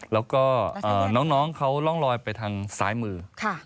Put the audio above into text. แล้วก็น้องเขาร่องลอยไปทางซ้ายมือ